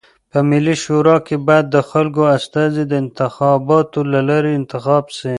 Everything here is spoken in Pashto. په ملي شورا کي بايد د خلکو استازي د انتخاباتو د لاري انتخاب سی.